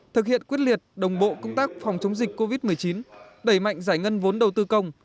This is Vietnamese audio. thực hiện quyết liệt đồng bộ công tác phòng chống dịch covid một mươi chín đẩy mạnh giải ngân vốn đầu tư công